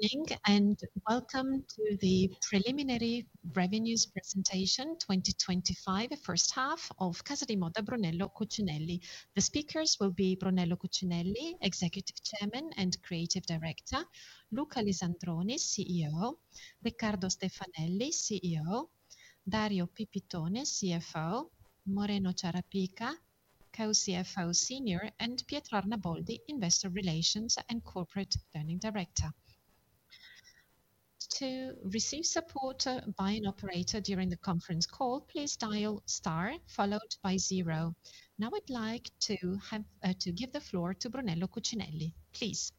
Evening, and welcome to the Preliminary Revenues Presentation twenty twenty five First Half of Casa de Motto, Brunello Cucinelli. The speakers will be Brunello Cucinelli, Executive Chairman and Creative Director Luca Alisantroni, CEO Ricardo Stefanelli, CEO Dario Pipitone, CFO Moreno Tarapica, Co CFO, Senior and Pietrarna Baldi, Investor Relations and Corporate Planning Director. Now I'd like to give the floor to Brunello Cucinelli, please.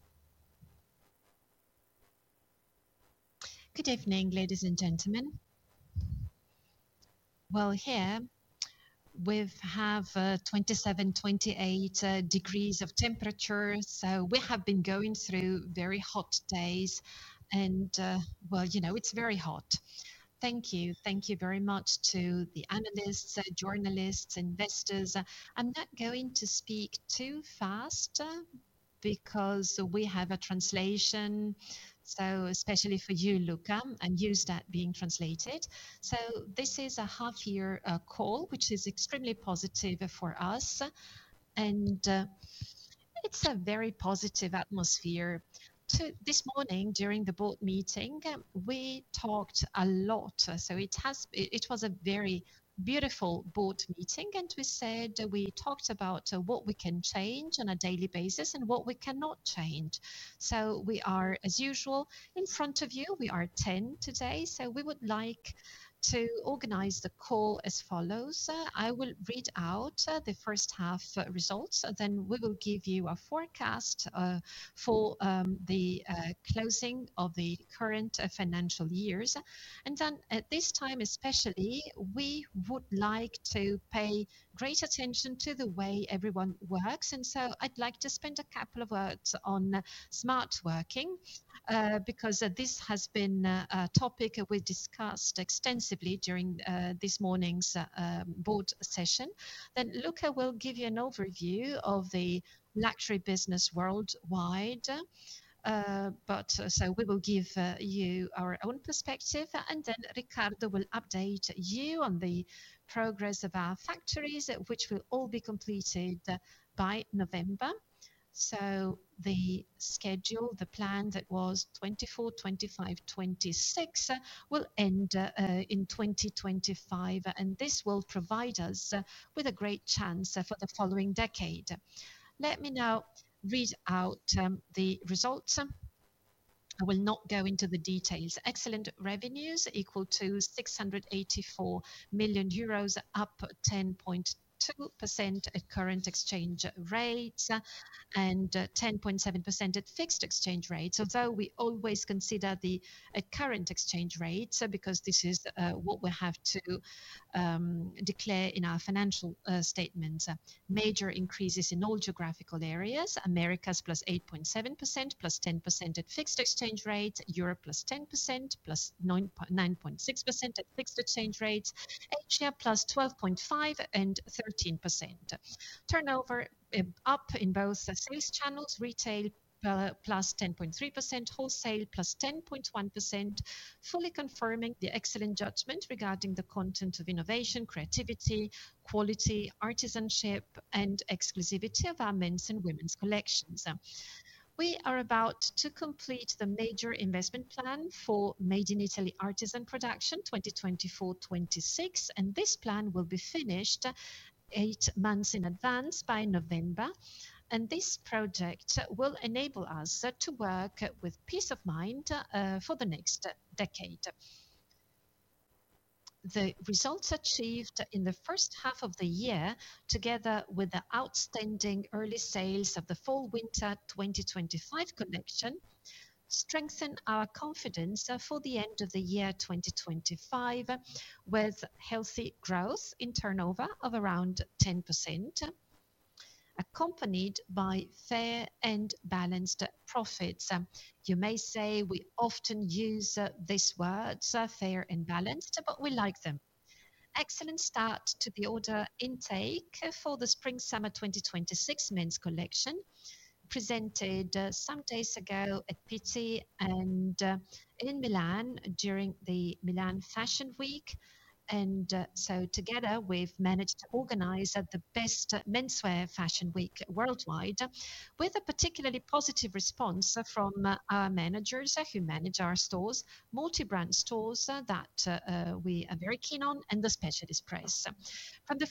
Good evening, ladies and gentlemen. Well, here we have 27, 28 degrees of temperature. So we have been going through very hot days and well, it's very hot. Thank you. Thank you very much to the analysts, journalists, investors. I'm not going to speak too fast because we have a translation, so especially for you, Luca, and you start being translated. So this is a half year call, which is extremely positive for us. And it's a very positive atmosphere. This morning during the board meeting, we talked a lot. So it was a very beautiful board meeting and we said we talked about what we can change on a daily basis and what we cannot change. So we are as usual in front of you. We are ten today. So we would like to organize the call as follows. I will read out the first half results, then we will give you a forecast for the closing of the current financial years. And then at this time especially, we would like to pay great attention to the way everyone works. And so I'd like to spend a couple of words on smart working because this has been a topic that we discussed extensively during this morning's Board session. Then Luca will give you an overview of the luxury business worldwide. But so we will give you our own perspective and then Ricardo will update you on the progress of our factories, which will all be completed by November. So the schedule, the plan that was '24, 2526 will end in 2025 and this will provide us with a great chance for the following decade. Let me now read out the results. I will not go into the details. Excellent revenues equal to EUR $684,000,000, up 10.2% at current exchange rates and 10.7% at fixed exchange rates. Although we always consider the current exchange rates because this is what we have to declare in our financial statements. Major increases in all geographical areas, Americas plus 8.7%, plus 10% at fixed exchange rates, Europe plus 10%, plus 9.6% at fixed exchange rates, Asia plus 12.513%. Turnover up in both the Swiss channels, retail plus 10.3%, wholesale plus 10.1%, fully confirming the excellent judgment regarding the content of innovation, creativity, quality, artisanship and exclusivity of our men's and women's collections. We are about to complete the major investment plan for Made in Italy Artisan production twenty twenty four-twenty twenty six and this plan will be finished eight months in advance by November. And this project will enable us to work with peace of mind for the next decade. The results achieved in the first half of the year together with outstanding early sales of the fallwinter twenty twenty five connection strengthen our confidence for the end of the year 2025 with healthy growth in turnover of around 10%, accompanied by fair and balanced profits. May say we often use these words, fair and balanced, but we like them. Excellent start to the order intake for the SpringSummer twenty twenty six men's collection presented some days ago at Pizzi and in Milan during the Milan Fashion Week. And so together, we've managed to organize the best menswear fashion week worldwide with a particularly positive response from our managers who manage our stores, multi brand stores that we are very keen on and the specialist press. From the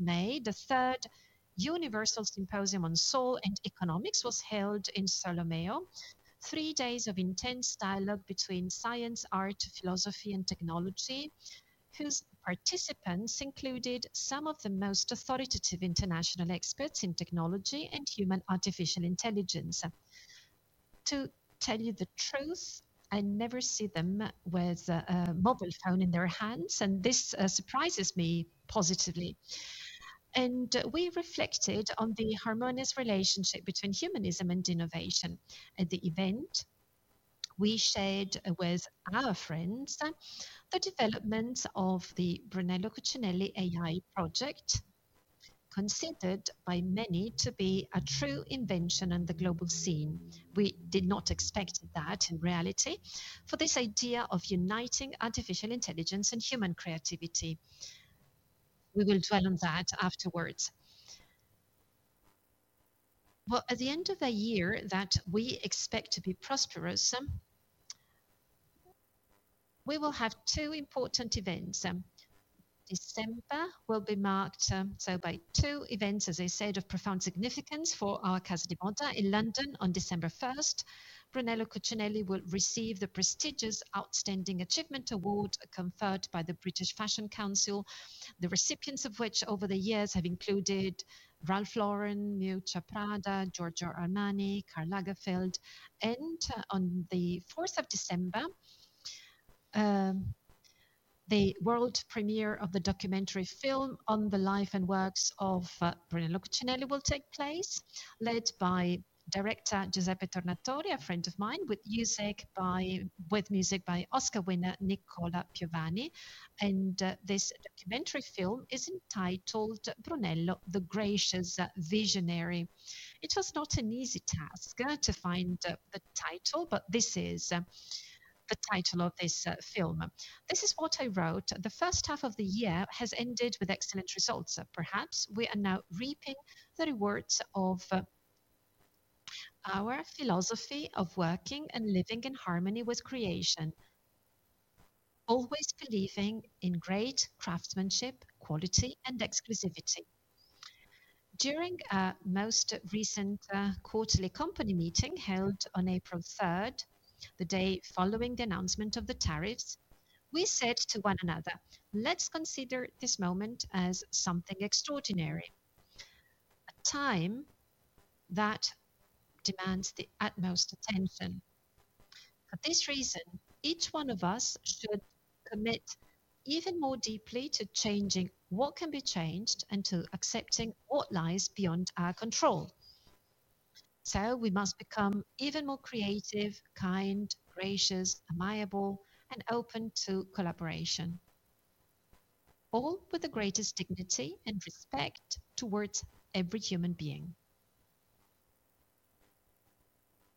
May, the third Universal Symposium on Soul and Economics was held in Solomayor, three days of intense dialogue between science, art, philosophy and technology whose participants included some of the most authoritative international experts in technology and human artificial intelligence. To tell you the truth, I never see them with a mobile phone in their hands and this surprises me positively. And we reflected on the harmonious relationship between humanism and innovation. At the event, we shared with our friends the developments of the Brunello Cucinelli AI project considered by many to be a true invention on the global scene. We did not expect that in reality for this idea of uniting artificial intelligence and human creativity. We will dwell on that afterwards. Well, at the end of the year that we expect to be prosperous, We will have two important events. December will be marked so by two events as I said of profound significance for our Casa De Monter in London on December 1. Brunello Cucinelli will receive the prestigious Out Outstanding Achievement Award conferred by the British Fashion Council, the recipients of which over the years have included Ralph Lauren, Miocha Prada, Giorgio Armani, Karl Lagerfeld. And on the December 4, the world premiere of the documentary film on the life and works of Bruno Luchacinelli will take place led by director Giuseppe Tornatori, a friend of mine with music by Oscar winner Nicola Piovanni. And this documentary film is entitled Brunello, the Gracious Visionary. It was not an easy task to find the title but this is the title of this film. This is what I wrote, the first half of the year has ended with excellent results. Perhaps we are now reaping the rewards of our philosophy of working and living in harmony with creation, always believing in great craftsmanship, quality and exclusivity. During most recent quarterly company meeting held on April 3, the day following the announcement of the tariffs, we said to one another, let's consider this moment as something extraordinary, a time that demands the utmost attention. For this reason, one of us should commit even more deeply to changing what can be changed until accepting what lies beyond our control. So we must become even more creative, kind, gracious, admirable and open to collaboration. All with the greatest dignity and respect towards every human being.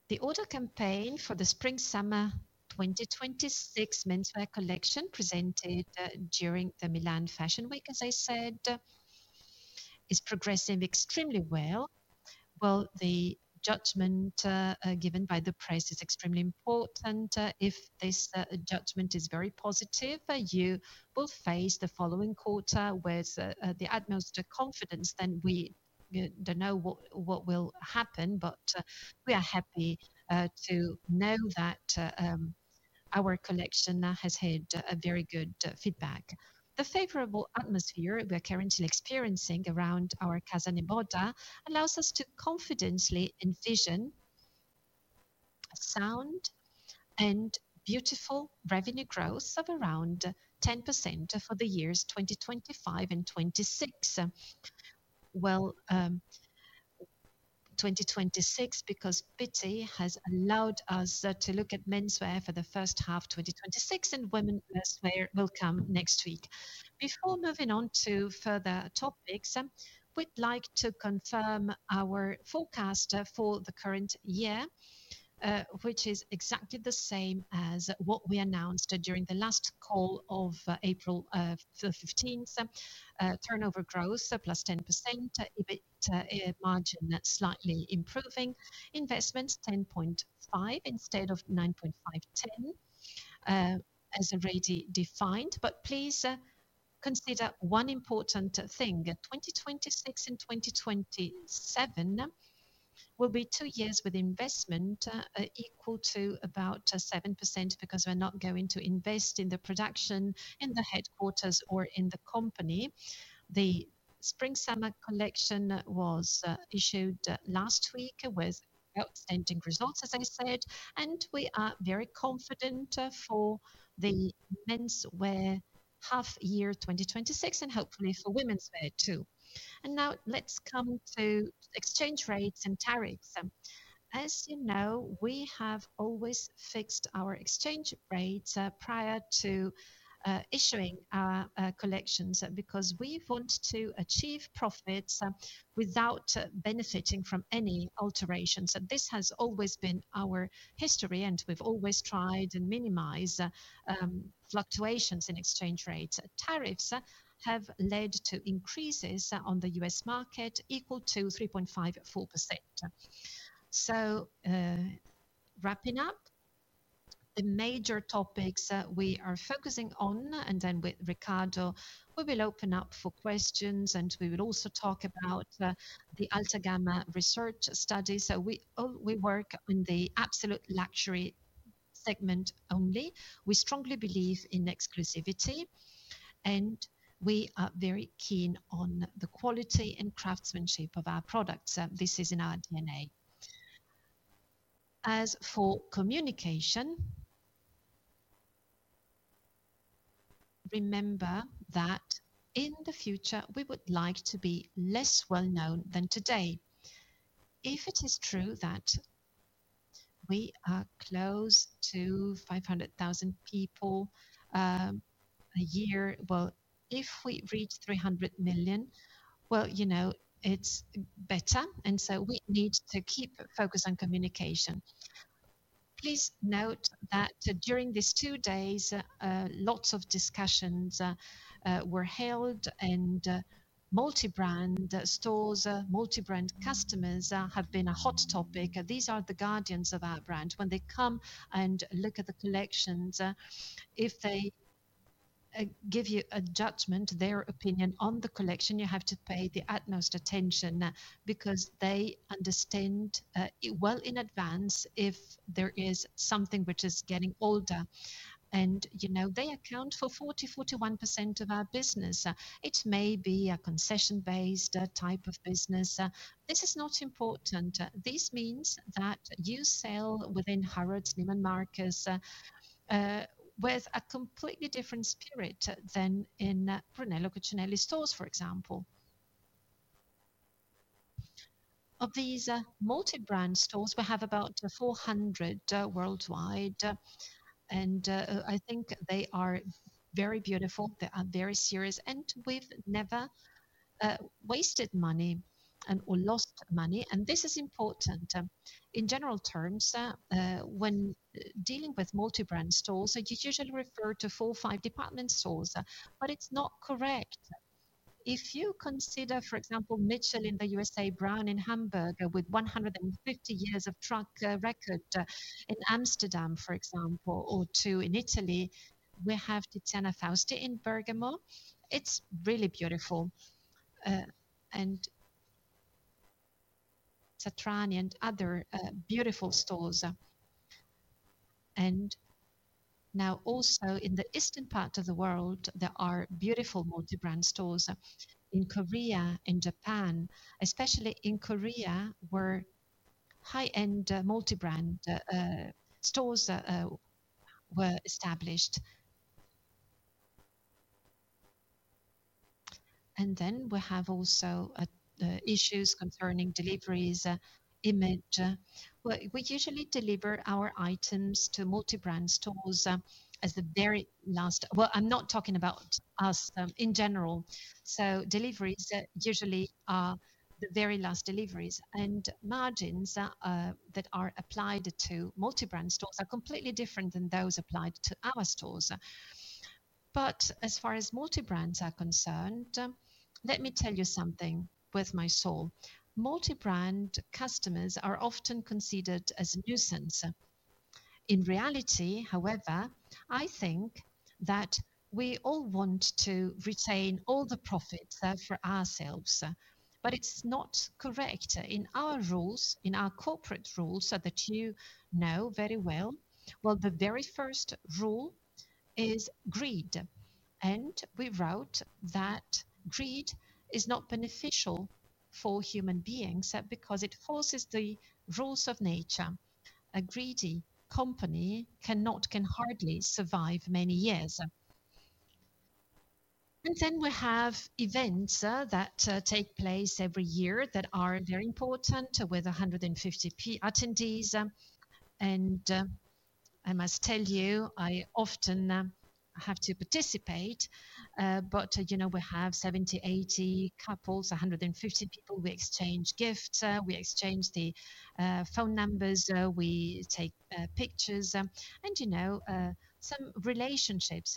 The order campaign for the SpringSummer twenty twenty six menswear collection presented during the Milan Fashion Week, as I said, is progressing extremely well. Well, the judgment given by the press is extremely important. If this judgment is very positive, you will face the following quarter with the utmost confidence, then we don't know what will happen, but we are happy to know that our collection now has had a very good feedback. The favorable atmosphere we're currently experiencing around our Casa Nimboda allows us to confidently envision sound and beautiful revenue growth of around 10% for the years 2025 and 2026. Well, 2026 because has allowed us to look at menswear for the first half twenty twenty six and women's menswear will come next week. Before moving on to further topics, we'd like to confirm our forecast for the current year, which is exactly the same as what we announced during the last call of April 15. Turnover growth, plus 10%, EBIT margin slightly improving, investments 10.5% instead of 9.5, 10% as already defined. But please consider one important thing, 2026 and 2027 will be two years with investment equal to about 7% because we're not going to invest in the production in the headquarters or in the company. The spring summer collection was issued last week with outstanding results as I said, and we are very confident for the men's wear half year 2026 and hopefully for women's wear too. And now let's come to exchange rates and tariffs. As you know, we have always fixed our exchange rates prior to issuing collections because we want to achieve profits without benefiting from any alterations. This has always been our history and we've always tried and minimize fluctuations in exchange rates. Tariffs have led to increases on The U. S. Market equal to 3.54%. So wrapping up, the major topics that we are focusing on and then with Ricardo, we will open up for questions and we will also talk about the AltaGamma research study. So we work in the absolute luxury segment only. We strongly believe in exclusivity and we are very keen on the quality and craftsmanship of our products. This is in our DNA. As for communication, remember that in the future we would like to be less well known than today. If it is true that we are close to 500,000 people a year. Well, if we reach 300,000,000, well, it's better. And so we need to keep focus on communication. Please note that during these two days, lots of discussions were held and multi brand stores, brand customers have been a hot topic. These are the guardians of our brand. When they come and look at the collections, if they give you a judgment, their opinion on the collection, you have to pay the utmost attention because they understand well in advance if there is something which is getting older. And they account for 40%, 41% of our business. It may be a concession based type of business. This is not important. This means that you sell within Harrods Neiman Marcus with a completely different spirit than in Brunello Cocinelli stores for example. Of these multi brand stores, we have about 400 worldwide. And I think they are very beautiful. They are very serious and we've never wasted money or lost money. And this is important. In general terms, when dealing with multi brand stores, it is usually referred to four, five department stores, but it's not correct. If you consider for example Mitchell in The USA, Brown in Hamburg with 150 of track record in Amsterdam for example or two in Italy, we have the Zena Fauste in Bergamo. It's really beautiful. Sattrani and other beautiful stores. And now also in the Eastern part of the world, there are beautiful multi brand stores in Korea, in Japan, especially in Korea where high end multi brand stores were established. And then we have also issues concerning deliveries image. We usually deliver our items to multi brand stores as the very last well, I'm not talking about us in general. So deliveries usually are the very last deliveries and margins that are applied to multi brand stores are completely different than those applied to our stores. But as far as multi brands are concerned, let me tell you something with my soul. Multi brand customers are often considered as nuisance. In reality, however, I think that we all want to retain all profits for ourselves but it's not correct in our rules, in our corporate rules so that you know very well. Well, the very first rule is greed and we wrote that greed is not beneficial for human beings because it forces the rules of nature. A greedy company cannot, can hardly survive many years. And then we have events that take place every year that are very important with 150 attendees. And I must tell you, I often have to participate, but we have seventy, eighty couples, 150 people. We exchange gifts. We exchange the phone numbers. We take pictures. And some relationships,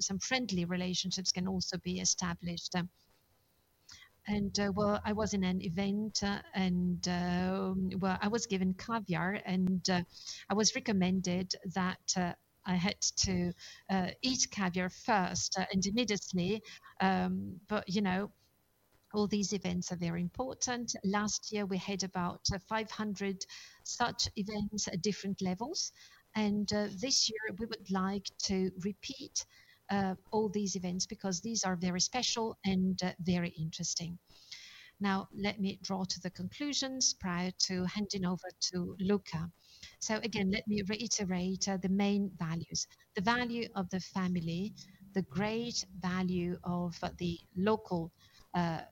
some friendly relationships can also be established. And I was in an event I was given caviar and I was recommended that I had to eat caviar first and immediately. But all these events are very important. Last year we had about 500 such events at different levels. And this year we would like to repeat all these events because these are very special and very interesting. Now let me draw to the conclusions prior to handing over to Luca. So again, let me reiterate the main values. The value of the family, the great value of the local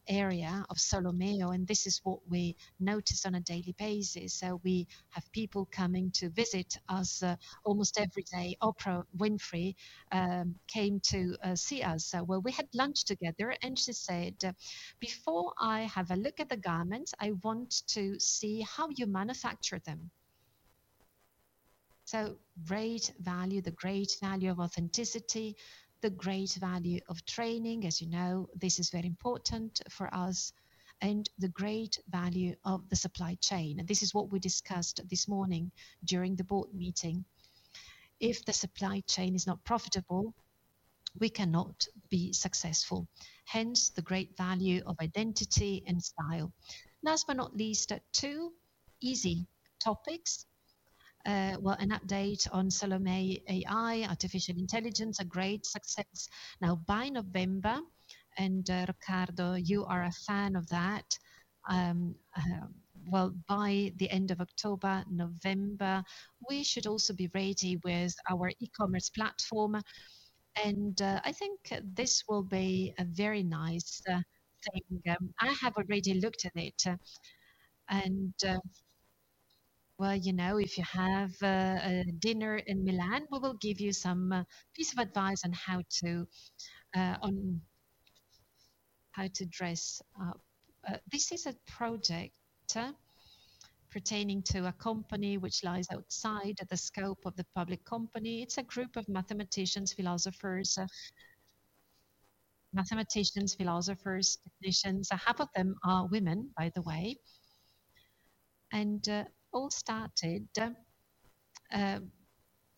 area of Solomeo and this is what we notice on a daily basis. So we have people coming to visit us almost every day. Oprah Winfrey came to see us. Well, we had lunch together and she said, before garments, I want to see how you manufacture them. So great value, the great value of authenticity, the great value of training as you know, this is very important for us and the great value of the supply chain. And this is what we discussed this morning during the Board meeting. If the supply chain is not profitable, we cannot be successful. Hence the great value of identity and style. Last but not least, two easy topics. Well, an update on Salome AI, artificial intelligence, a great success Now by November and Ricardo, you are a fan of that. Well, by the October, November, we should also be ready with our e commerce platform. And I think this will be a very nice thing. I have already looked at it. And well, if you have dinner in Milan, we will give you some piece of advice on how to dress. This is a project pertaining to a company which lies outside of the scope of the public company. It's a group of mathematicians, philosophers mathematicians, philosophers, technicians. Half of them are women by the way. And all started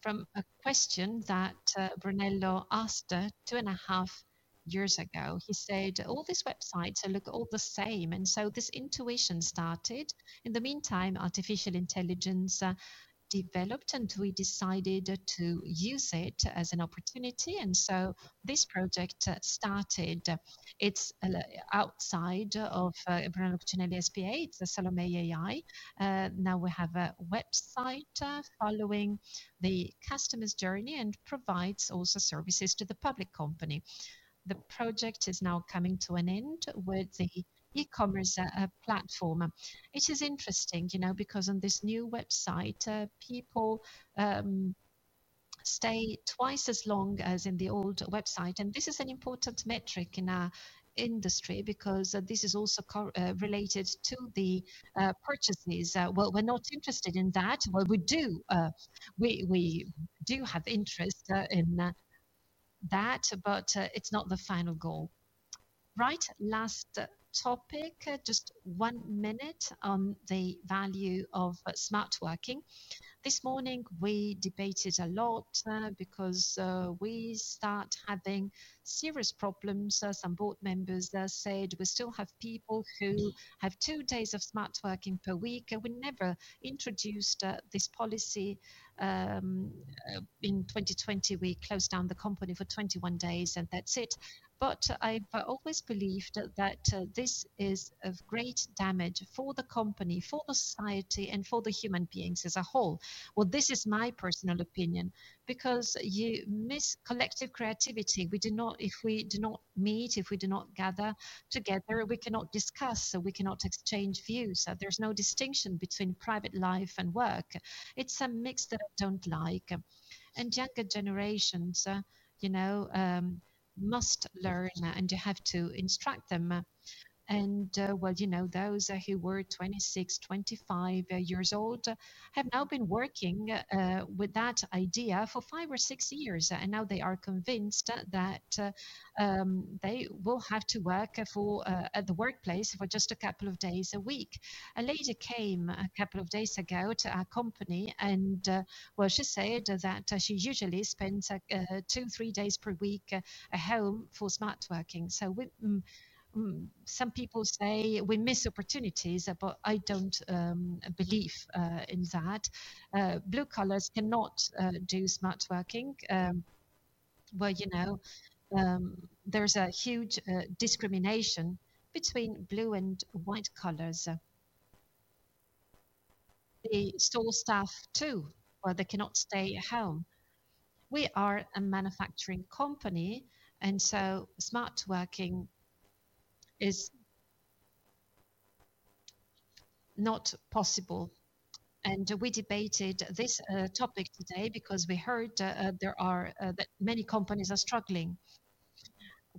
from a question that Brunello asked two and a half years ago. He said, all these websites look all the same. And so this intuition started. In the meantime, artificial intelligence developed and we decided to use it as an opportunity. And so this project started. It's outside a brand new opportunity SPA, it's a Salome AI. Now we have a web site following the customer's journey and provides also services to the public company. The project is now coming to an end with the e commerce platform. It is interesting because on this new website, people stay twice as long as in the old website. And this is an important metric in our industry because this is also related to purchases. Well, we're not interested in that. Well, we do have interest in that, but it's not the final goal. Right, last topic, just one minute on the value of smart working. This morning we debated a lot because we start having serious problems. Some board members said we still have people who have two days of smart working per week and we never introduced this policy. In 2020, we closed down the company for twenty one days and that's it. But I've always believed that this is of great damage for the company, for society and for the human beings as a whole. Well, this is my personal opinion because you miss collective creativity. If we do not meet, if we do not gather together, we cannot discuss. So we cannot exchange views. There's no distinction between private life and work. It's a mix that I don't like. And younger generations must learn and you have to instruct them. And those who were 26, 25 years old have now been working with that idea for five or six years. And now they are convinced that they will have to work at the workplace for just a couple of days a week. A lady came a couple of days ago to our company and well she said that she usually spends two, three days per week at home for smart working. So some people say we miss opportunities but I don't believe in that. Blue colors cannot do smart working. Well, there's a huge discrimination between blue and white colours. The store staff too or they cannot stay at home. We are a manufacturing company and so smart working is not possible. And we debated this topic today because we heard that many companies are struggling.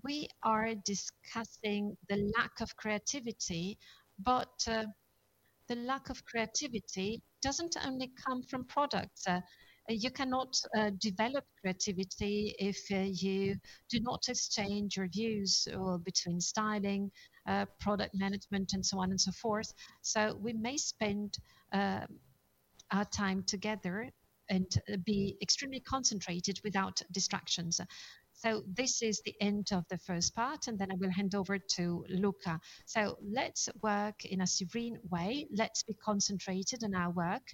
We are discussing the lack of creativity but the lack of creativity doesn't only come from products. You cannot develop creativity if you do not exchange reviews between styling, product management and so on and so forth. So we may spend our time together and be extremely concentrated without distractions. So this is the end of the first part and then I will hand over to Luca. So let's work in a serene way. Let's be concentrated in our work.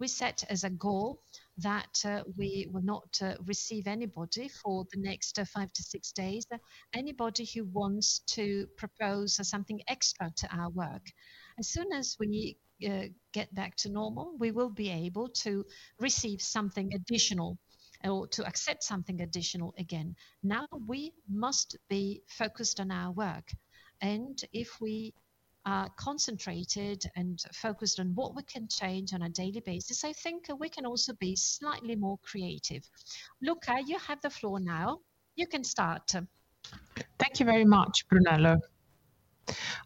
We set as a goal that we will not receive anybody for the next five to six days, anybody who wants to propose something extra to our work. As soon as we get back to normal, we will be able to receive something additional or to accept something additional again. Now we must be focused on our work. And if we are concentrated and focused on what we can change on a daily basis, I think we can also be slightly more creative. Luca, you have the floor now. You can start. Thank you very much, Brunello.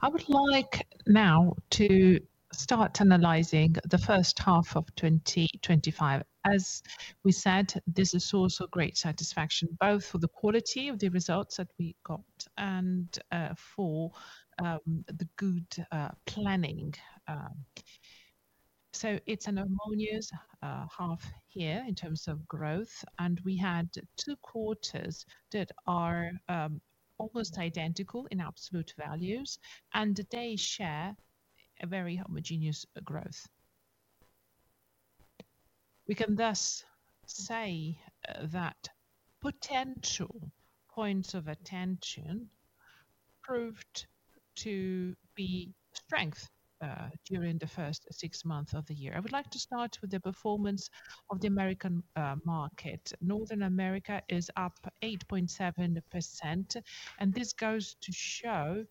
I would like now to start analysing the first half of twenty twenty five. As we said, this is also great satisfaction both for the quality of the results that we got and for the good planning. So it's an harmonious half year in terms of growth and we had two quarters that are almost identical in absolute values and they share a very homogeneous growth. We can thus say that potential points of attention proved to be strength during the first six months of the year. I would like to start with the performance of the American market. Northern America is up 8.7% and this goes to show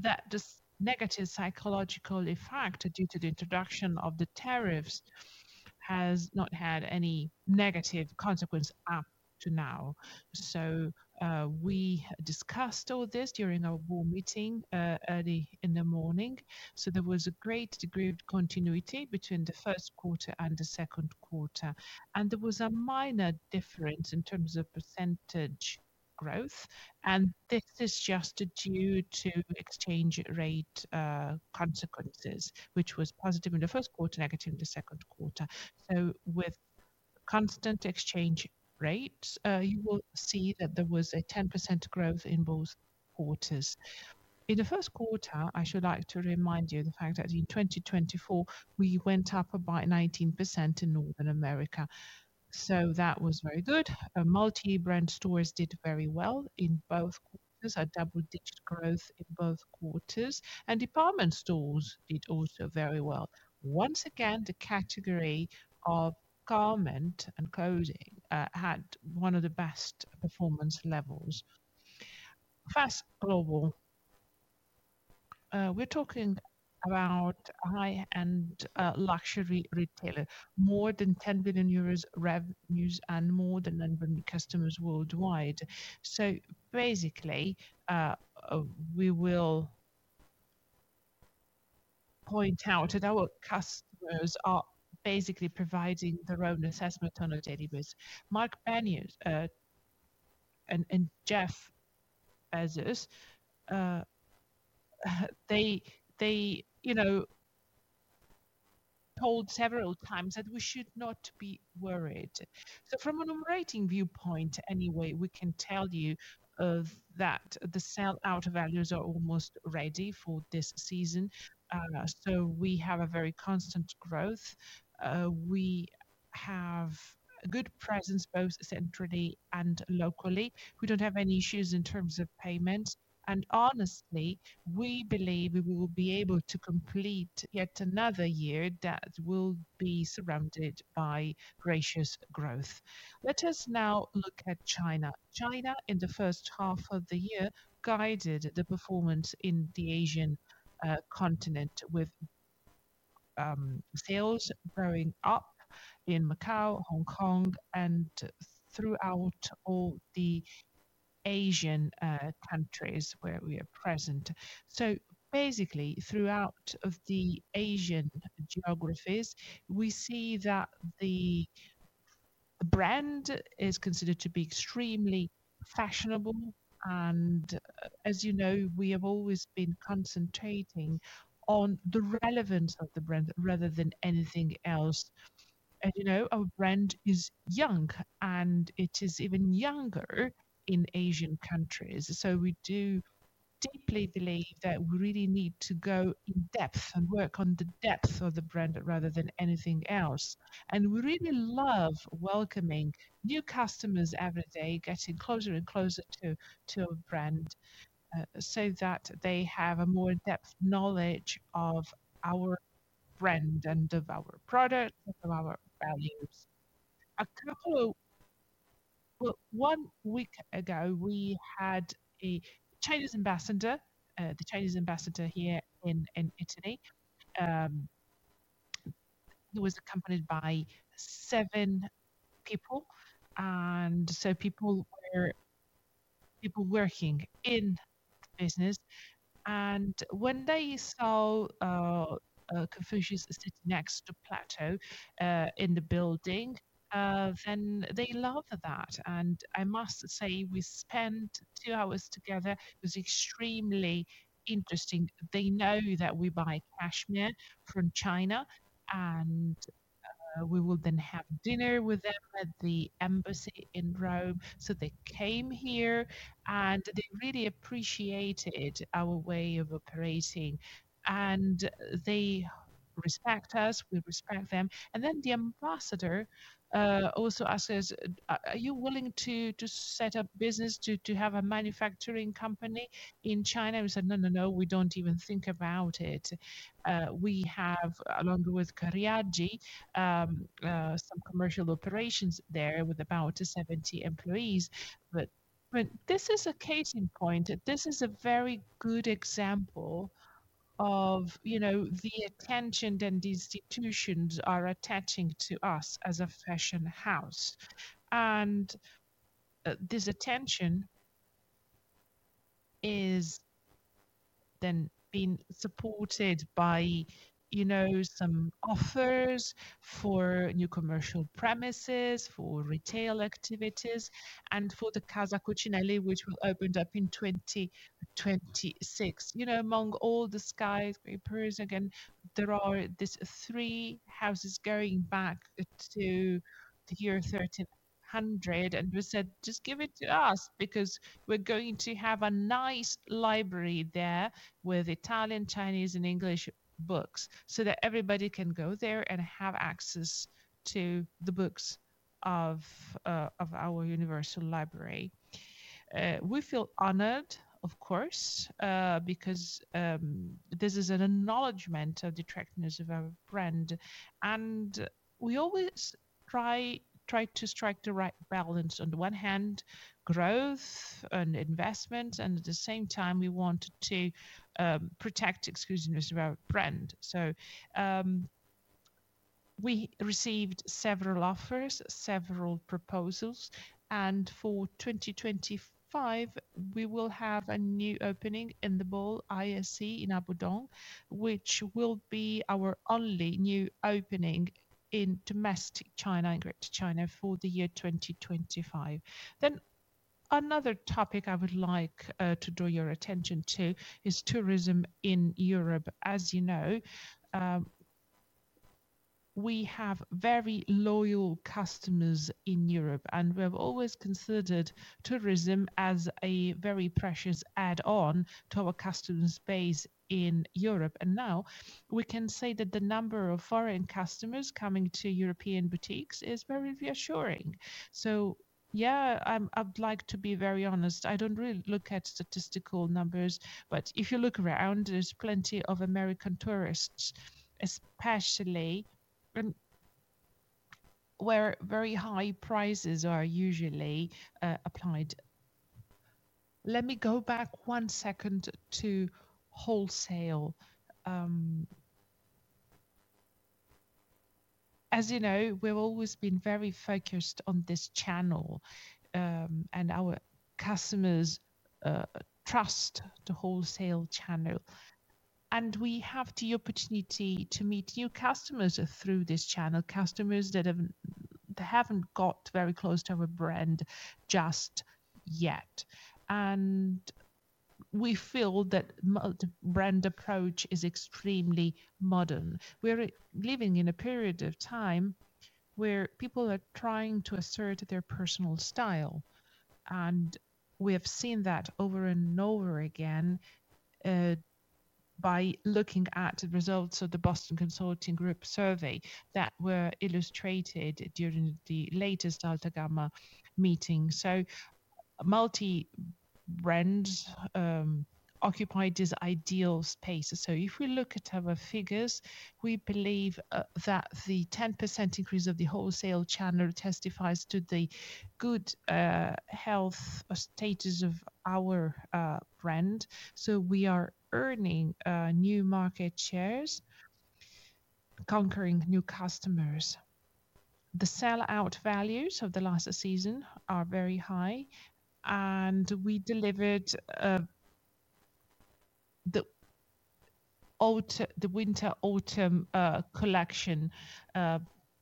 that this negative psychological effect due to the introduction of the tariffs has not had any negative consequence up to now. So we discussed all this during our meeting early in the morning. So there was a great degree of continuity between the first quarter and the second quarter. And there was a minor difference in terms of percentage growth. And this is just due to exchange rate consequences, which was positive in the first quarter, negative in the second quarter. So with constant exchange rates, you will see that there was a 10% growth in both quarters. In the first quarter, I should like to remind you the fact that in 2024, we went up by 19% in Northern America. So that was very good. Our multi brand stores did very well in both quarters, a double digit growth in both quarters and department stores did also very well. Once again, the category of garment and clothing had one of the best performance levels. Fast Global, we're talking about high end luxury retailer, More than €10,000,000,000 revenues and more than 11 customers worldwide. So basically, we will point out that our customers are basically providing their own assessment on our daily basis. Mark Bania and and Jeff Bezos, they they, you know, told several times that we should not be worried. So from a rating viewpoint anyway, we can tell you that the sell out values are almost ready for this season. So we have a very constant growth. We have a good presence both centrally and locally. We don't have any issues in terms of payments. And honestly, we believe we will be able to complete yet another year that will be surrounded by gracious growth. Let us now look at China. China in the first half of the year guided the performance in the Asian continent with sales growing up in Macau, Hong Kong and throughout all the Asian countries where we are present. So basically throughout of the Asian geographies, we see that the brand is considered to be extremely fashionable and as you know, we have always been concentrating on the relevance of the brand rather than anything else. As you know, our brand is young and it is even younger in Asian countries. So we do deeply believe that we really need to go in-depth and work on the depth of the brand rather than anything else. And we really love welcoming new customers every day, getting closer and closer to to a brand so that they have a more depth knowledge of our brand and of our product and of our values. A couple well, one week ago, we had a Chinese ambassador, the Chinese ambassador here in in Italy. He was accompanied by seven people and so people were people working in business. And when they saw Confucius sitting next to Plateau in the building, and they love that. And I must say we spent two hours together. It was extremely interesting. They know that we buy cashmere from China, and we will then have dinner with them at the embassy in Rome. So they came here and they really appreciated our way of operating. And they respect us. We respect them. And then the ambassador also asks us, are you willing to to set up business to to have a manufacturing company in China? We said, no. No. No. We don't even think about it. We have along with Kariaji some commercial operations there with about 70 employees. This is a case in point. This is a very good example of, you know, the attention and institutions are attaching to us as a fashion house. And this attention is then being supported by, you know, some offers for new commercial premises, for retail activities, and for the Casa Cucinelli, which will open up in 2026. You know, among all the skies, great peruse again, there are these three houses going back to the year 1300. And we said, just give it to us because we're going to have a nice library there with Italian, Chinese, and English books so that everybody can go there and have access to the books of of our universal library. We feel honored of course because this is an acknowledgement of the attractiveness of our brand. And we always try to strike the right balance. On the one hand, growth and investment and at the same time we want to protect exclusiveness of our brand. So we received several offers, several proposals. And for 2025, we will have a new opening in the ball ISC in Abu Dhabi, which will be our only new opening in domestic China and Greater China for the year 2025. Then another topic I would like to draw your attention to is tourism in Europe. As you know, we have very loyal customers in Europe and we've always considered tourism as a very precious add on to our customer's base in Europe. And now we can say that the number of foreign customers coming to European boutiques is very reassuring. So, yeah, I'd like to be very honest. I don't really look at statistical numbers, but if you look around, there's plenty of American tourists especially where very high prices are usually applied. Let me go back one second to wholesale. As you know, we've always been very focused on this channel and our customers trust the wholesale channel. And we have the opportunity to meet new customers through this channel. Customers that haven't got very close to our brand just yet. And we feel that the brand approach is extremely modern. We're living in a period of time where people are trying to assert their personal style. And we have seen that over and over again by looking at the results of the Boston Consulting Group survey that were illustrated during the latest Delta Gamma meeting. So multi brands occupied this ideal space. So if we look at our figures, we believe that the 10% increase of the wholesale channel testifies to the good health status of our brand. So we are earning new market shares, conquering new customers. The sell out values of the last season are very high and we delivered the winter autumn collection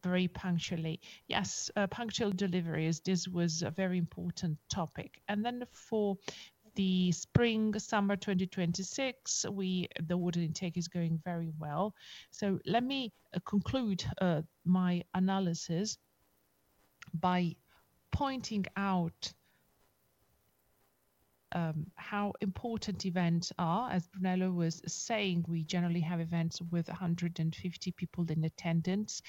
very punctually. Yes. Punctual deliveries. This was a very important topic. And then for the spring summer twenty twenty six, the water intake is going very well. So let me conclude my analysis by pointing out how important events are. As Brunello was saying, we generally have events with 150 people in attendance.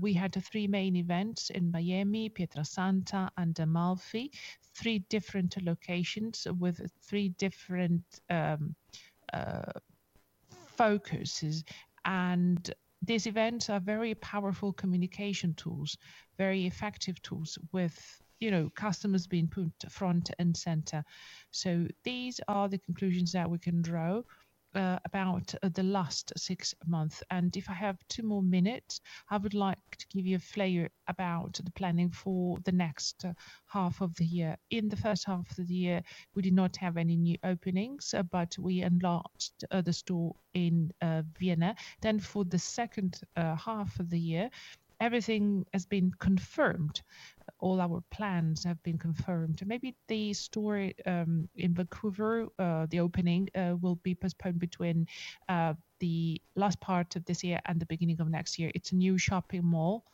We had three main events in Miami, Pietro Santa and Amalfi, Three different locations with three different focuses. And these events are very powerful communication tools, very effective tools with you know, customers being put front and center. So these are the conclusions that we can draw about the last six months. And if I have two more minutes, I would like to give you a flavor about the planning for the next half of the year. In the first half of the year, we did not have any new openings, but we enlarged the store in Vienna. Then for the second half of the year, everything has been confirmed. All our plans have been confirmed. Maybe the store in Vancouver, the opening will be postponed between the last part of this year and the beginning of next year. It's a new shopping mall.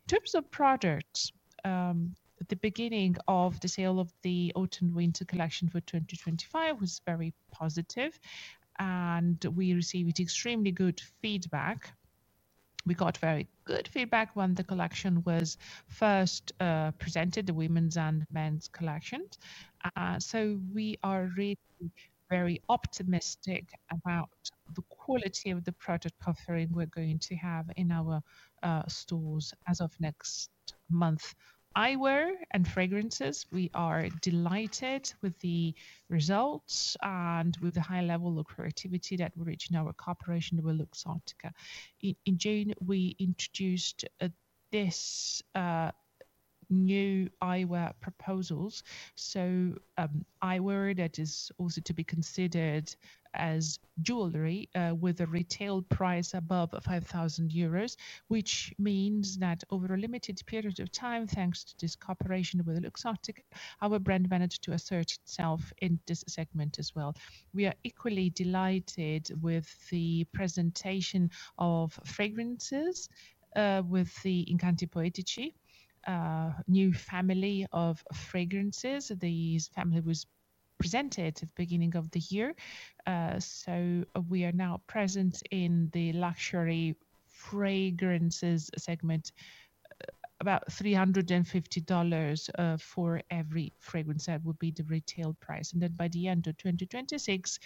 In terms of products, the beginning of the sale of the autumn winter collection for 2025 was very positive, and we received extremely good feedback. We got very good feedback when the collection was first presented, the women's and men's collection. So we are really very optimistic about the quality of the product offering we're going to have in our stores as of next month. Eyewear and fragrances, we are delighted with the results and with the high level of creativity that we reached in our cooperation with Luxottica. In June, we introduced this new eyewear proposals. So eyewear that is also to be considered as jewelry with a retail price above €5,000 which means that over a limited period of time, to this cooperation with Luxottic, our brand managed to assert itself in this segment as well. We are equally delighted with the presentation of fragrances with the Incanti Poetici, new family of fragrances. This family was presented at the beginning of the year. So we are now present in the luxury fragrances segment about $350 for every fragrance that would be the retail price. And then by the end of twenty twenty six,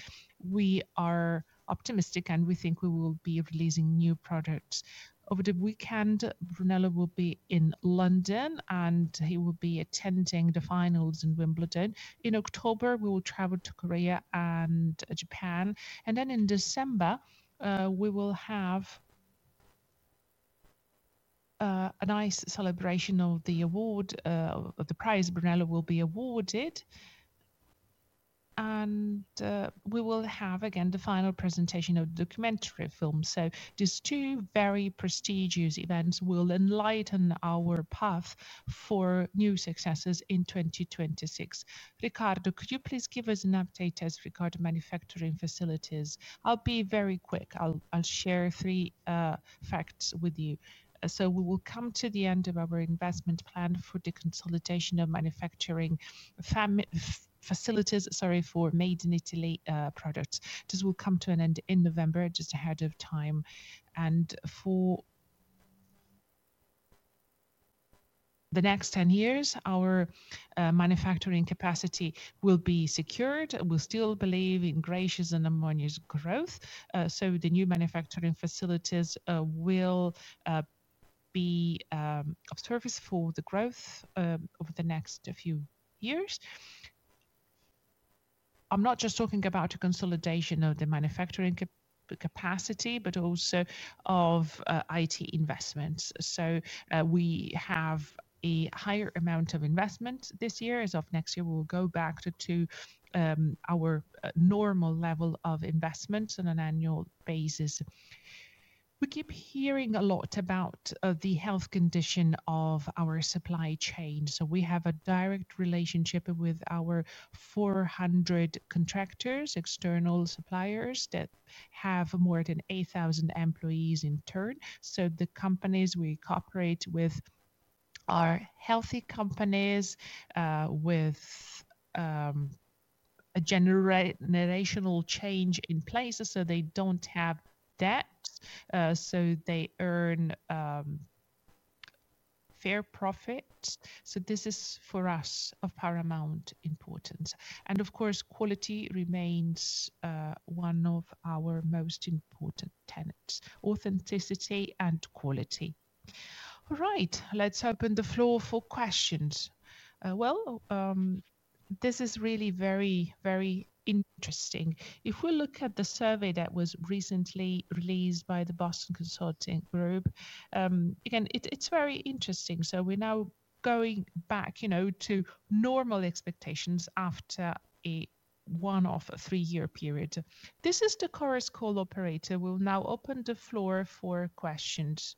we are optimistic and we think we will be releasing new products. Over the weekend, Brunello will be in London and he will be attending the finals in Wimbledon. In October, we will travel to Korea and Japan. And then in December, we will have nice celebration of the award of the prize Brunello will be awarded. And we will have again the final presentation of documentary film. So these two very prestigious events will enlighten our path for new successes in 2026. Ricardo, could you please give us an update as regard to manufacturing facilities? I'll be very quick. I'll share three facts with you. So we will come to the end of our investment plan for deconsolidation of manufacturing facilities, sorry, for Made in Italy products. This will come to an end in November just ahead of time. And for the next ten years, our manufacturing capacity will be secured. We still believe in gracious and ammonia's growth. So the new manufacturing facilities will be of service for the growth over the next few years. I'm not just talking about the consolidation of the manufacturing capacity, but also of IT investments. So we have a higher amount of investment this year. As of next year, we'll go back to our normal level of investments on an annual basis. We keep hearing a lot about the health condition of our supply chain. So we have a direct relationship with our 400 contractors, external suppliers that have more than 8,000 employees in turn. So the companies we cooperate with are healthy companies with generational change in places so they don't have debt. So they earn fair profits. So this is for us of paramount importance. And of course quality remains one of our most important tenets, authenticity and quality. Alright. Let's open the floor for questions. Well, this is really very, very interesting. If we look at the survey that was recently released by the Boston Consulting Group, again, it's it's very interesting. So we're now going back, you know, to normal expectations after a one off three year period. This is the Chorus Call operator. We'll now open the floor for questions.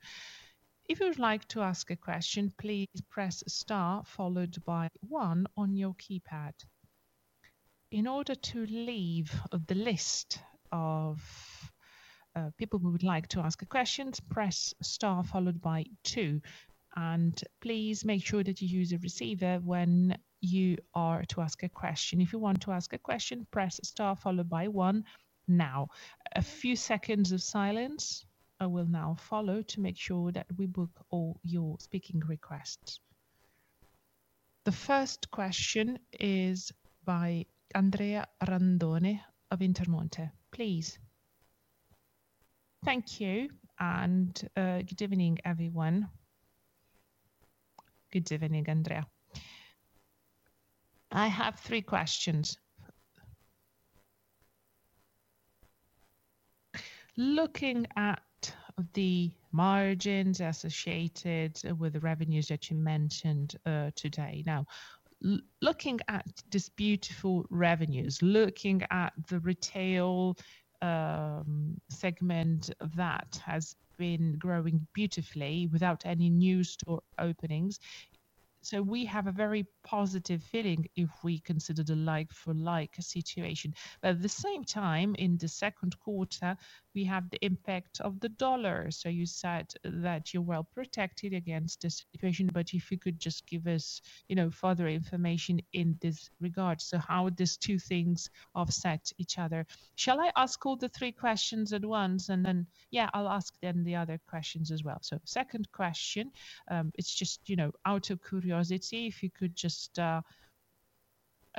In order to leave the list of people who would like to ask a question, star followed by two. And please make sure that you use a receiver when you are to ask a question. If you want to ask a question, press star followed by one now. A few seconds of silence will now follow to make sure that we book all your speaking requests. The first question is by Andrea Randone of Intermonte. Please. Thank you, and good evening, everyone. Good evening, Andrea. I have three questions. Looking at the margins associated with the revenues that you mentioned today. Now looking at this beautiful revenues, looking at the retail segment that has been growing beautifully without any new store openings. So we have a very positive feeling if we consider the like for like situation. But at the same time, in the second quarter, we have the impact of the dollar. So you said that you're well protected against this situation, but if you could just give us further information in this regard. So how these two things offset each other? Shall I ask all the three questions at once? And then, yeah, I'll ask then the other questions as well. So second question, it's just out of curiosity, if you could just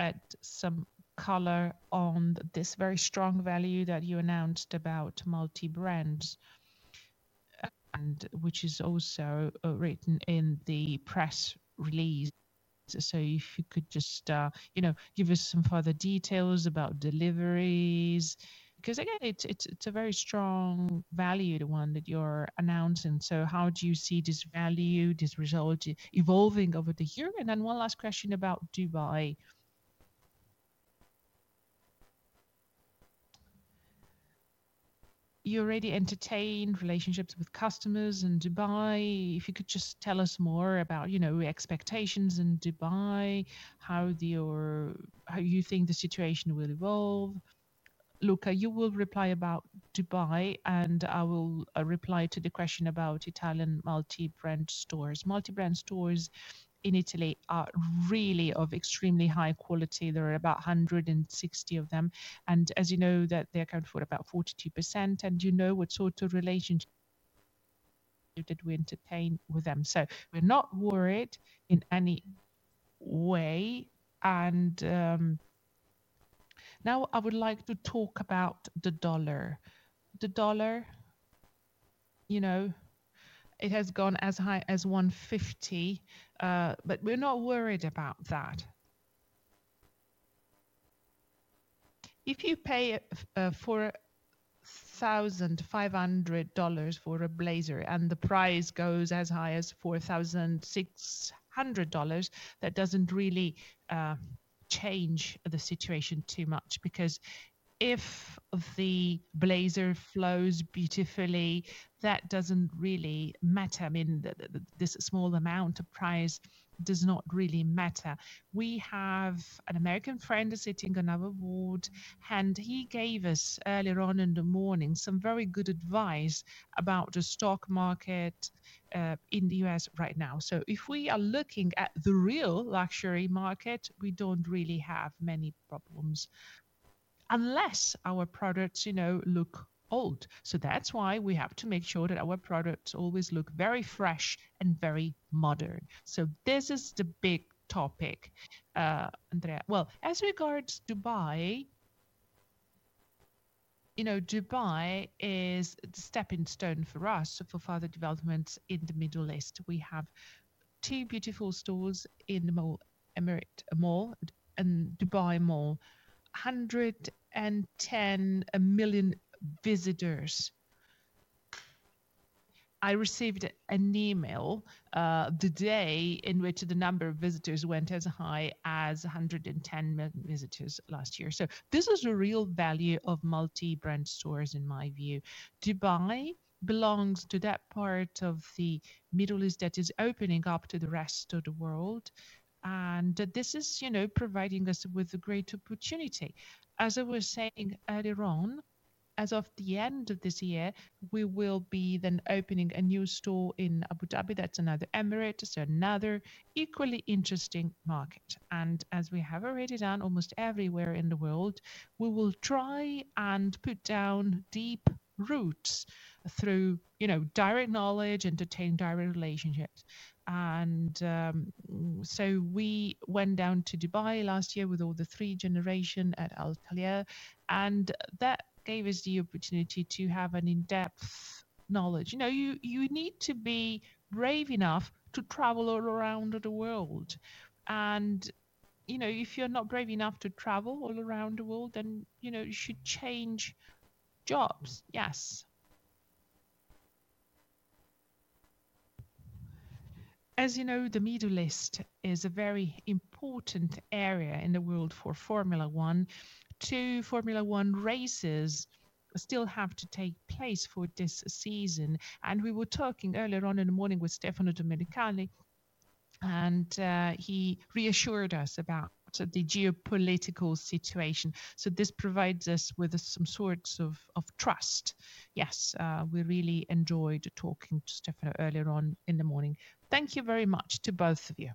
add some color on this very strong value that you announced about multi brands and which is also written in the press release. So if you could just give us some further details about deliveries. Because again, it's a very strong value, the one that you're announcing. So how do you see this value, this result evolving over the year? And then one last question about Dubai. You already entertain relationships with customers in Dubai. If you could just tell us more about expectations in Dubai, how you think the situation will evolve. Luca, you will reply about Dubai and I will reply to the question about Italian multi brand stores. Multi brand stores in Italy are really of extremely high quality. There are about 160 of them. And as you know that they account for about 42 and you know what sort of relationship that we entertain with them. So we're not worried in any way. And now I would like to talk about the dollar. The dollar, you know, it has gone as high as $1.50 but we're not worried about that. If you pay $4,500 for a Blazer and the price goes as high as $4,600 that doesn't really change the situation too much because if the blazer flows beautifully, that doesn't really matter. I mean this small amount of price does not really matter. We have an American friend sitting on our ward and he gave us earlier on in the morning some very good advice about the stock market in The US right now. So if we are looking at the real luxury market, we don't really have many problems unless our products look old. So that's why we have to make sure that our products always look very fresh and very modern. So this is the big topic, Andrea. Well, as regards Dubai, you know, Dubai is the stepping stone for us for further developments in The Middle East. We have two beautiful stores in the mall Emirate Mall and Dubai Mall. 110,000,000 visitors. I received an email the day in which the number of visitors went as high as 110,000,000 visitors So this is a real value of multi brand stores in my view. Dubai belongs to that part of the Middle East that is opening up to the rest of the world. And this is providing us with a great opportunity. As I was saying earlier on, as of the end of this year, we will be then opening a new store in Abu Dhabi, that's another emirate, that's another equally interesting market. And as we have already done almost everywhere in the world, we will try and put down deep roots through direct knowledge, entertain direct relationships. And so we went down to Dubai last year with all the three generation at Altair and that gave us the opportunity to have an in-depth knowledge. You you need to be brave enough to travel all around the world. And you know, if you're not brave enough to travel all around the world then you should change jobs. Yes. As you know, The Middle East is a very important area in the world for Formula one. Two, Formula One races still have to take place for this season. And we were talking earlier on in the morning with Stefano de Medicale and he reassured us about the geopolitical situation. So this provides us with some sorts of trust. Yes, we really enjoyed talking to Stefan earlier on in the morning. Thank you very much to both of you.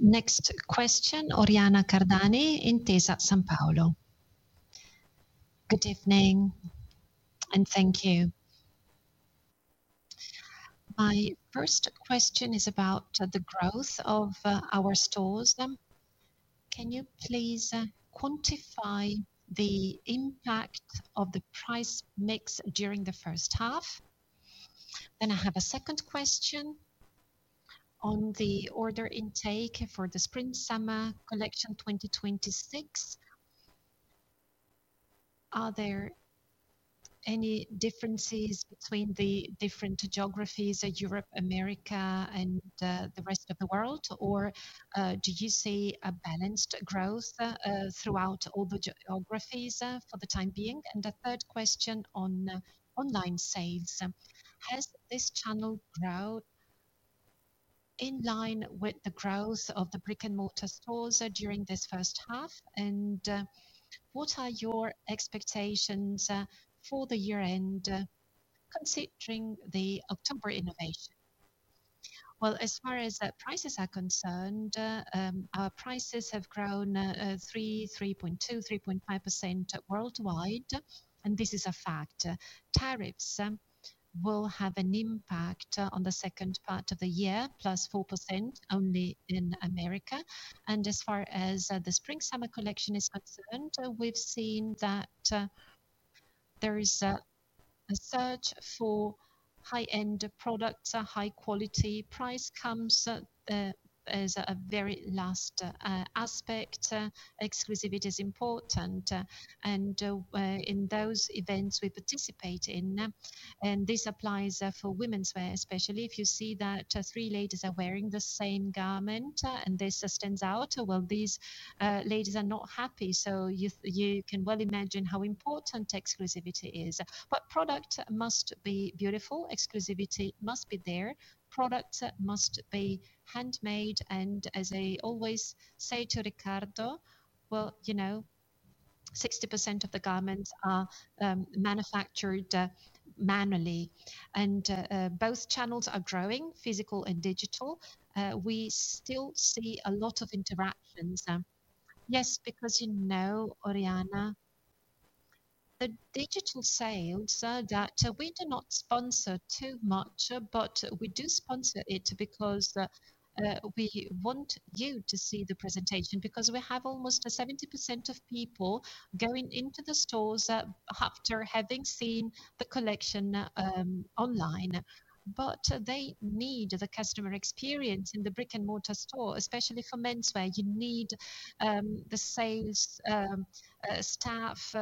Next question, Oriana Cardani, Intesa Sanpaolo. Good evening and thank you. My first question is about the growth of our stores. You please quantify the impact of the pricemix during the first half? Then I have a second question on the order intake for the springsummer collection twenty twenty six. Are there any differences between the different geographies, Europe, America and the rest of the world? Or do you see a balanced growth throughout all the geographies for the time being? And the third question on online sales. Has this channel grown in line with the growth of the brick and mortar stores during this first half? And what are your expectations for the year end considering the October innovation? Well, as far as prices are concerned, our prices have grown 3%, 3.2%, 3.5% worldwide, and this is a fact. Tariffs will have an impact on the second part of the year, plus 4% only America. And as far as the spring summer collection is concerned, we've seen that there is a search for high end products, high quality price comes as a very last aspect. Exclusivity is important. And in those events we participate in and this applies for women's wear especially if you see that three ladies are wearing the same garment and this stands out. Well, these ladies are not happy. So you can well imagine how important exclusivity is. But product must be beautiful, exclusivity must be there, product must be handmade. And as I always say to Ricardo, well, 60% of the garments are manufactured manually. And both channels are growing, physical and digital. We still see a lot of interactions. Yes, because you know, Oriana, the digital sales that we do not sponsor too much, but we do sponsor it because we want you to see the presentation because we have almost 70% of people going into the stores after having seen the collection online. But they need the customer experience in the brick and mortar store especially for menswear. You need the sales staff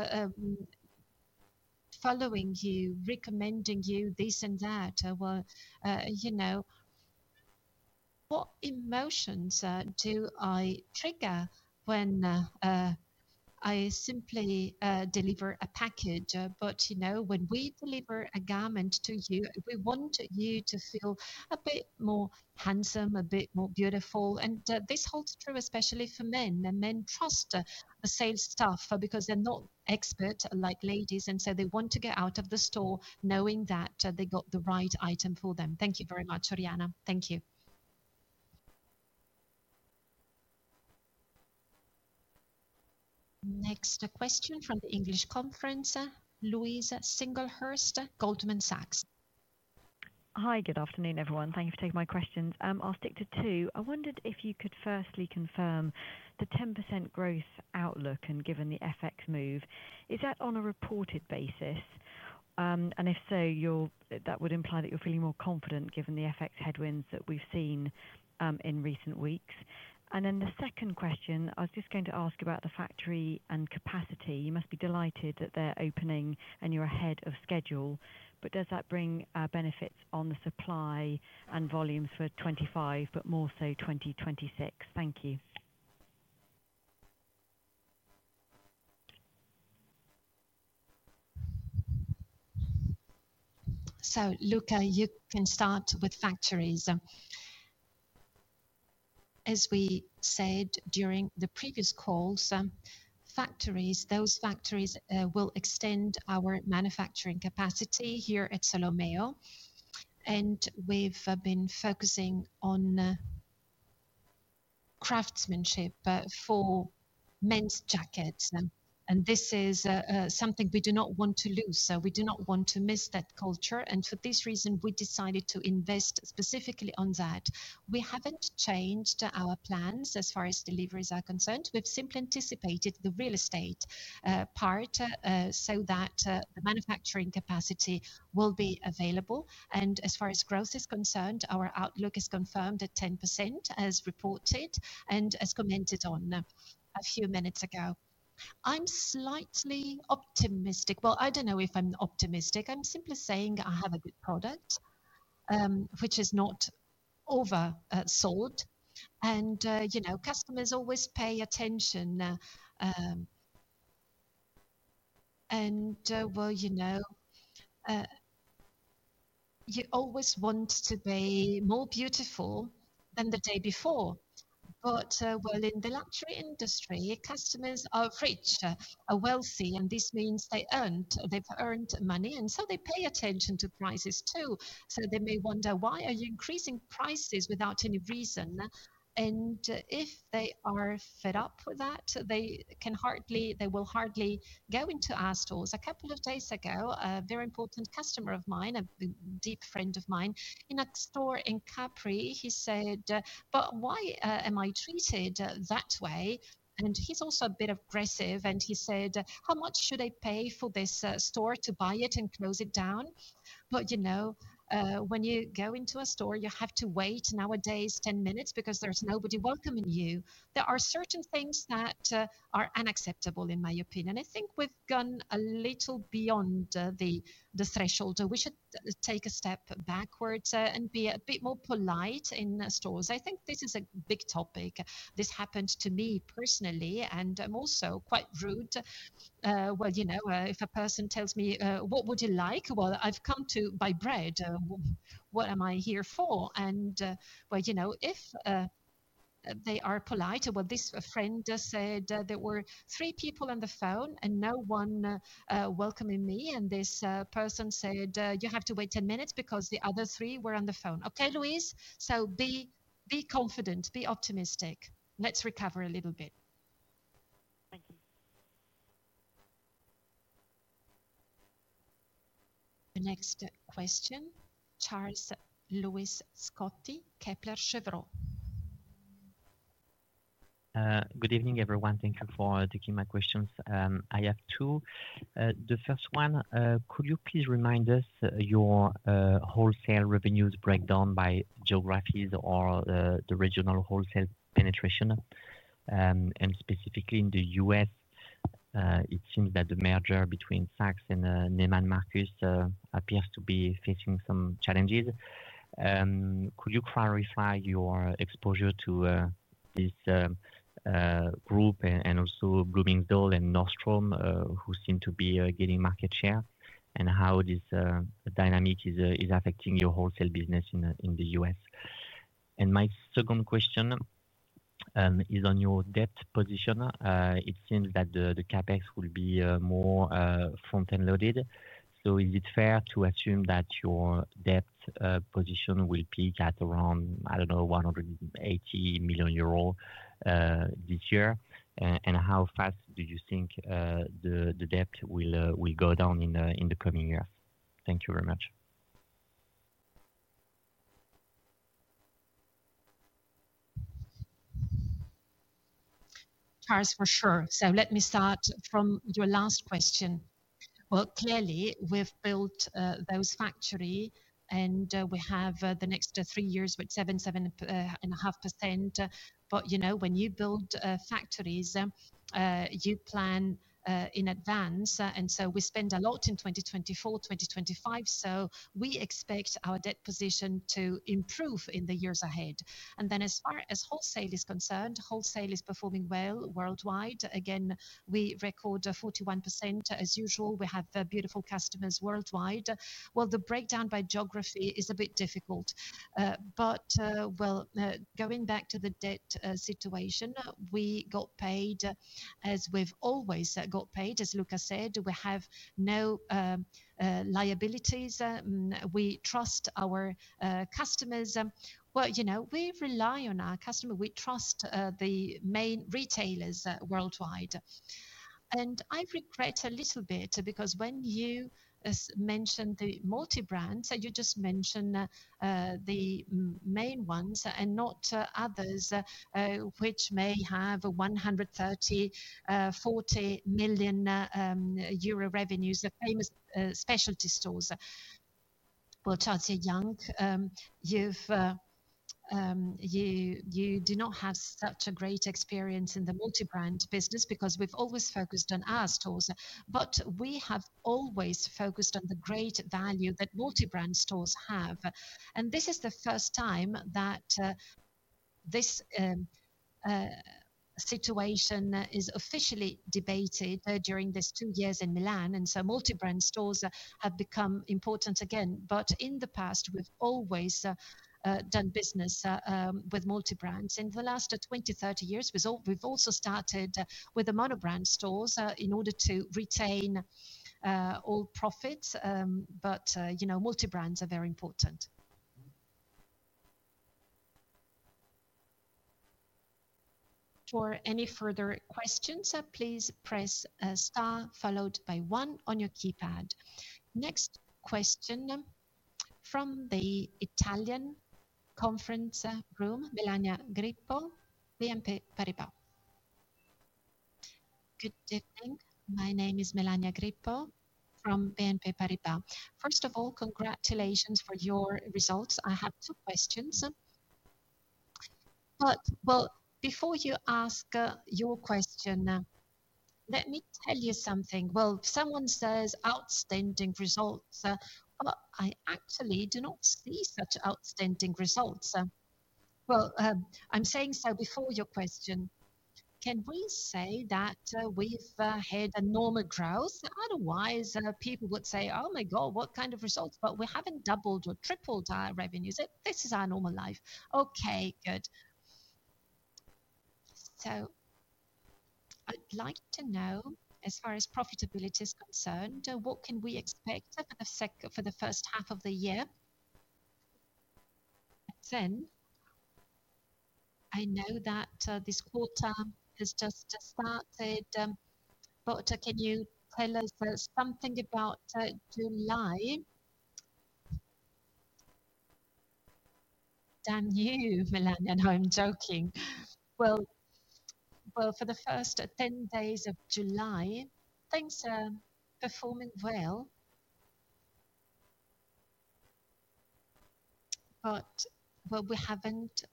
following you, recommending you this and that. Emotions do I trigger when I simply deliver a package? But you know, when we deliver a garment to you, we want you to feel a bit more handsome, a bit more beautiful. And this holds true especially for men and men trust the sales staff because they're not expert like ladies and so they want to get out of the store knowing that they got the right item for them. Thank you very much, Oriana. Thank you. Next question from the English conference, Louise Singlehurst, Goldman Sachs. Hi, good afternoon everyone. Thanks for taking my questions. I'll stick to two. I wondered if you could firstly confirm the 10% growth outlook and given the FX move. Is that on a reported basis? And if so, you'll that would imply that you're feeling more confident given the FX headwinds that we've seen in recent weeks? And then the second question, I was just going to ask about the factory and capacity. You must be delighted that they're opening and you're ahead of schedule. But does that bring benefits on the supply and volumes for 2025, but more so 2026? Thank you. So Luca, you can start with factories. We said during previous calls, factories those factories will extend our manufacturing capacity here at Solomeo. And we've been focusing on craftsmanship for men's jackets. And this is something we do not want to lose. So we do not want to miss that culture. And for this reason, we decided to invest specifically on that. We haven't changed our plans as far as deliveries are concerned. We've simply anticipated the real estate part so that the manufacturing capacity will be available. And as far as growth is concerned, our outlook is confirmed at 10% as reported and as commented on a few minutes ago. I'm slightly optimistic. Well, I don't know if I'm optimistic. I'm simply saying I have a good product, which is not oversold And customers always pay attention. And you always want to be more beautiful than the day before. But well, in the luxury industry, customers are rich, are wealthy and this means they earned money and so they pay attention to prices too. So they may wonder why are you increasing prices without any reason? And if they are fed up with that, they will hardly go into our stores. A couple of days ago, a very important customer of mine, a deep friend of mine in a store in Capri. He said, but why am I treated that way? And he's also a bit aggressive and he said, how much should I pay for this store to buy it and close it down? But when you go into a store, have to wait nowadays ten minutes because there's nobody welcoming you. There are certain things that are unacceptable in my opinion. I think we've gone a little beyond the threshold. We should take a step backwards and be a bit more polite in stores. I think this is a big topic. This happens to me personally and I'm also quite rude. Well, if a person tells me what would you like? Well, I've come to buy bread. What am I here for? If they are polite, well, this friend said there were three people on the phone and no one welcoming me. And this person said you have to wait ten minutes because the other three were on the phone. Okay, Louise? So be confident, be optimistic. Let's recover a little bit. The next question, Charles Louis Scotty, Kepler Cheuvreux. I The first one, could you please remind us your wholesale revenues breakdown by geographies or the regional wholesale penetration? And specifically, in The U. S, it seems that the merger between Saxe and Neiman Marcus appears to be facing some challenges. Could you clarify your exposure to this group and also Bloomingdoll and Nordstrom, who seem to be getting market share? And how this dynamic is affecting your wholesale business in The U. S? And my second question is on your debt position. It seems that the CapEx will be more front end loaded. So is it fair to assume that your debt position will peak at around, I don't know, 180,000,000 this year? And how fast do you think the debt will go down in the coming year? You very much. Paris for sure. So let me start from your last question. Well, clearly, we've built those factory and we have the next three years with 77.5%. But when you build factories, plan in advance. And so we spend a lot in 2024, 2025. So we expect our debt position to improve in the years ahead. And then as far as wholesale is concerned, wholesale is performing well worldwide. Again, we record 41% as usual. We have beautiful customers worldwide. Well, the breakdown by geography is a bit difficult. But well, going back to the debt situation, we got paid as we've always got paid. As Luca said, we have no liabilities. We trust our customers. But we rely on our customer. We trust the main retailers worldwide. And I regret a little bit because when you mentioned the multi brands, you just mentioned the main ones and not others, which may have 130 40,000,000 euro revenues at famous specialty stores. Well, Chazy Young, you do not have such a great experience in the multi brand business because we've always focused on our stores. But we have always focused on the great value that multi brand stores have. And this is the first time that this situation is officially debated during these two years in Milan and so multi brand stores have become important again. But in the past, we've always done business with multi brands. In the last twenty, thirty years, we've also started with the mono brand stores in order to retain all profits, but multi brands are very important. Next question from the Italian conference room, Melania Grippo, BNP Good evening. My name is Melania Grippo from BNP Paribas. First of all, congratulations for your results. I have two questions. Well, before you ask your question, let me tell you something. Well, someone says outstanding results. I actually do not see such outstanding results. Well, I'm saying so before your question. Can we say that we've had a normal growth? Otherwise people would say, Oh my God, what kind of results? But we haven't doubled or tripled our revenues. This is our normal life. Okay, good. So I'd like to know as far as profitability is concerned, what can we expect for the first half of the year? And then I know that this quarter has just started. But can you tell us something about July? Damn you, Melania, no, I'm joking. Well, for the first ten days of July things are performing well. But we haven't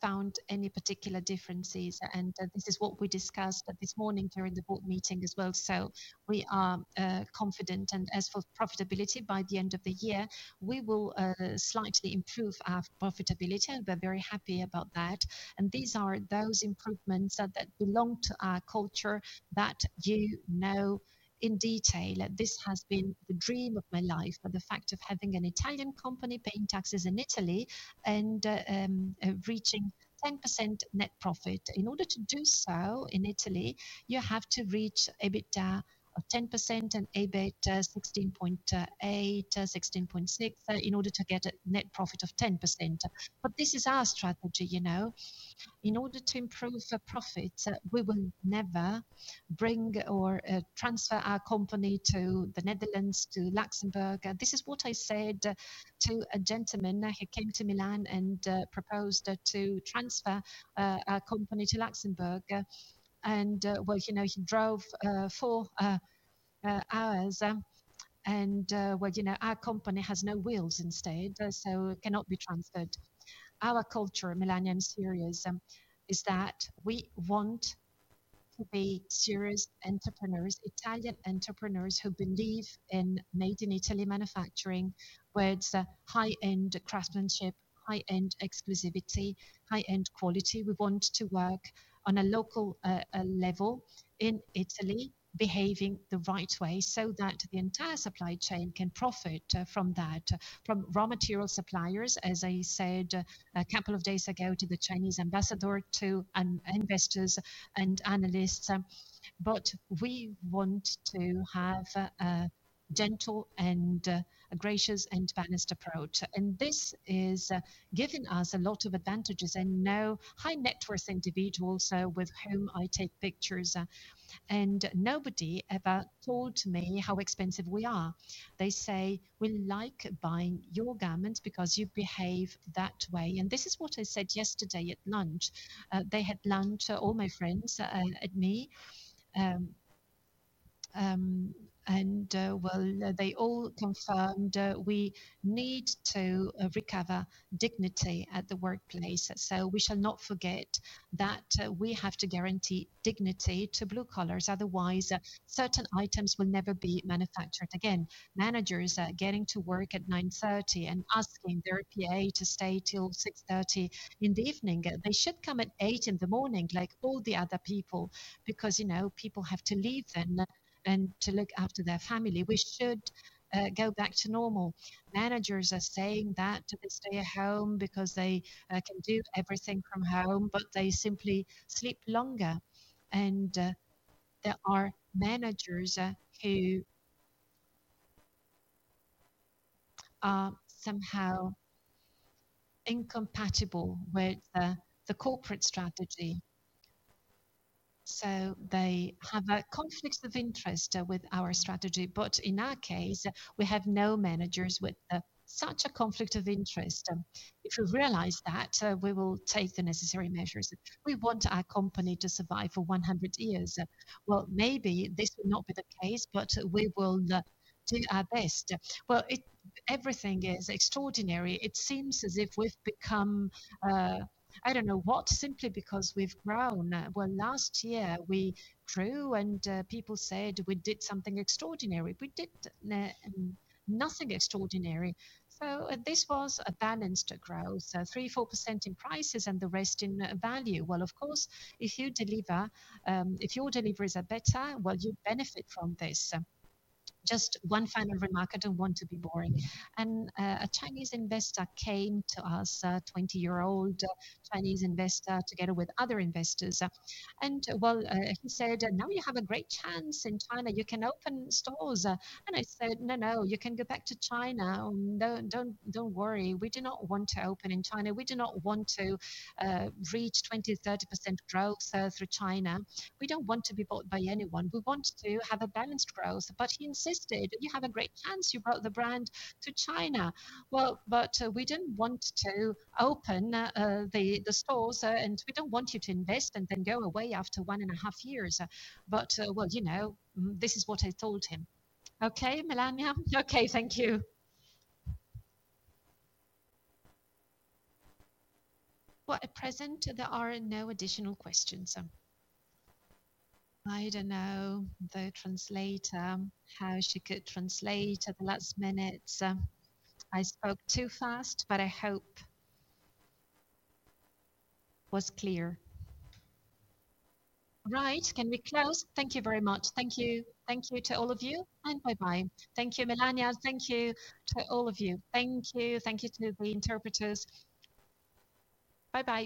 found any particular differences and this is what we discussed this morning during the board meeting as well. So we are confident and as for profitability by the end of the year, we will slightly improve our profitability and we're very happy about that. And these are those improvements that belong to our culture that you know in detail. This has been the dream of my life. But the fact of having an Italian company paying taxes in Italy and reaching 10% net profit. In order to do so in Italy, you have to reach EBITDA of 10% and EBIT 16.8%, 16.6% in order to get a net profit of 10%. But this is our strategy. In order to improve the profits, we will never bring or transfer our company to The Netherlands, to Luxembourg. This is what I said to a gentleman. He came to Milan and proposed to transfer our company to Luxembourg. And well, he drove four hours and our company has no wheels instead. So it cannot be transferred. Our culture, Millennium Serious is that we want to be serious entrepreneurs, Italian entrepreneurs who believe in made in Italy manufacturing where it's high end craftsmanship, high end exclusivity, high end quality. We want to work on a local level in Italy behaving the right way so that the entire supply chain can profit from that, from raw material suppliers, as I said a couple of days ago to the Chinese ambassador to investors and analysts. But we want to have gentle and gracious and balanced approach. And this is giving us a lot of advantages and no high net worth individuals with whom I take pictures. And nobody ever told me how expensive we are. They say, we like buying your garments because you behave that way. And this is what I said yesterday at lunch. They had lunch, all my friends and me. And well, they all confirmed we need to recover dignity at the workplace. So we shall not forget that we have to guarantee dignity to blue collars otherwise certain items will never be manufactured. Again, managers are getting to work at 09:30 and asking their PA to stay till 06:30 in the evening. They should come at eight in the morning like all the other people because people have to leave then and to look after their family. We should go back to normal. Managers are saying that they stay at home because they can do everything from home but they simply sleep longer. And there are managers who are somehow incompatible So they have a conflict of interest with our strategy. But in our case, we have no managers with such a conflict of interest. If you realize that, we will take the necessary measures. We want our company to survive for one hundred years. Well, maybe this will not be the case but we will do our best. Well, everything is extraordinary. It seems as if we've become I don't know what simply because we've grown. Well, last year we drew and people said we did something extraordinary. We did nothing extraordinary. So this was a balanced growth, 3%, 4% in prices and the rest in value. Well, of course, if you deliver if your deliveries are better, well, you benefit from this. Just one final remark, I don't want to be boring. And Chinese investor came to us, a 20 year old Chinese investor together with other investors. And well, he said, now you have a great chance in China. You can open stores. And I said, no, no. You can go back Don't worry. We do not want to open in China. We do not want to reach 20%, 30% growth through China. We don't want to be bought by anyone. We want to have a balanced growth. But he insisted, you have a great chance you brought the brand to China. Well, but we didn't want to open the stores and we don't want you to invest and then go away after one and a half years. But this is what I told him. Okay, Melania. Okay, thank you. At present there are no additional questions. I don't know the translator, how she could translate at the last minute. Spoke too fast but I hope was clear. Right, can we close? Thank you very much. Thank you to all of you and bye bye. Thank you, Melania. Thank you to all of you. Thank you. Thank you to the interpreters. Bye bye.